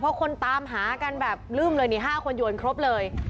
เพราะคนตามหากันแบบลืมเลย๕คนเหมือนครบเลย